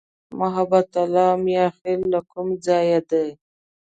محبت الله "میاخېل" د کوم ځای دی؟